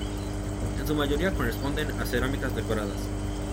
En su mayoría corresponden a cerámicas decoradas.